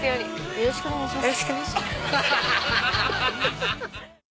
よろしくお願いします。